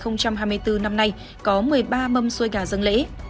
năm hai nghìn hai mươi bốn năm nay có một mươi ba mâm xôi gà dân lễ